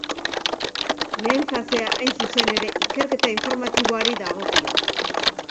Lehen fasea, hain zuzen ere, ikerketa informatiboari dagokio.